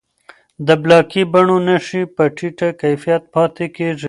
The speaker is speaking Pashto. د بلاکي بڼو نښې په ټیټه کیفیت پاتې کېږي.